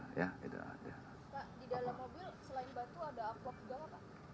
pak di dalam mobil selain batu ada ampok juga pak